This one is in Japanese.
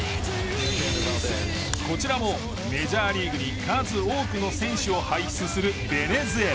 こちらもメジャーリーグに数多くの選手を輩出するベネズエラ。